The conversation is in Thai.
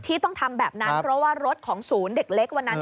ต้องทำแบบนั้นเพราะว่ารถของศูนย์เด็กเล็กวันนั้น